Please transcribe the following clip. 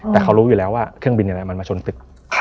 แต่เขารู้อยู่แล้วว่าเครื่องบินอย่างไรมันมาชนตึก